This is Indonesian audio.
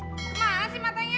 mana sih matanya